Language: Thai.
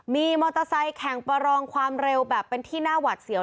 มีมอเตอร์ไซค์แข่งประรองความเร็วแบบเป็นที่น่าหวัดเสียว